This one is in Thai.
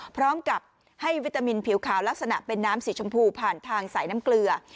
พร้อมกับให้วิตามินผิวขาวลักษณะเป็นน้ำสีชมพูผ่านทางสายน้ำเกลือ